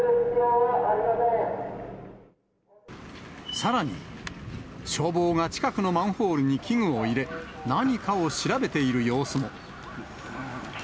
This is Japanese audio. さらに、消防が近くのマンホールに器具を入れ、何かを調べている様子も。